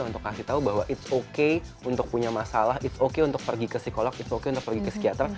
untuk kasih tahu bahwa it's okay untuk punya masalah it's okay untuk pergi ke psikolog it's okay untuk pergi ke psikiater